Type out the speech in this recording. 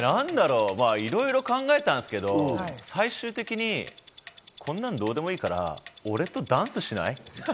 いろいろ考えたんですけど、最終的にこんなんどうでもいいから、俺とダンスしない？